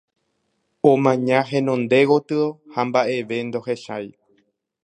Omaña henonde gotyo, ha mba'eve ndohechái.